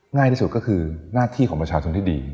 ง่ายที่สุดก็คือหน้าที่ของประชาชนที่ดี